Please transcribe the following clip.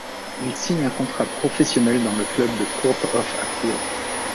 Il signe un contrat professionnel dans le club de Court of Appeal.